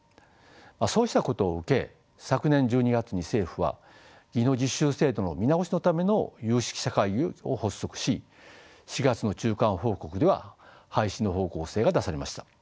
そうしたことを受け昨年１２月に政府は技能実習制度の見直しのための有識者会議を発足し４月の中間報告では廃止の方向性が出されました。